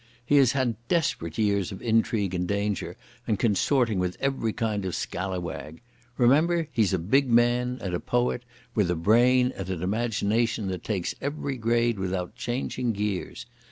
He has had desperate years of intrigue and danger, and consorting with every kind of scallawag. Remember, he's a big man and a poet, with a brain and an imagination that takes every grade without changing gears.